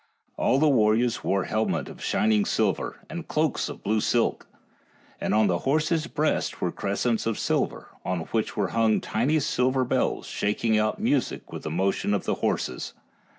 All the warriors wore helmets of shining silver, and cloaks of blue silk. And on the horses' breasts were crescents of silver, on which were hung tiny silver bells, shaking out music with the motion of the horses.